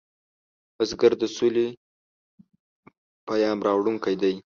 بزګر د سولې پیام راوړونکی دی